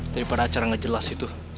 daripada acara gak jelas itu